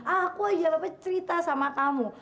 aku aja dapat cerita sama kamu